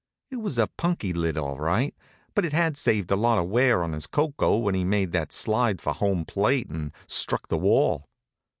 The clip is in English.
It was a punky lid, all right, but it had saved a lot of wear on his koko when he made that slide for home plate and struck the wall.